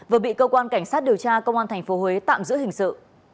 vừa bị cơ quan cảnh sát điều tra công an tp huế tạm giữ hình sự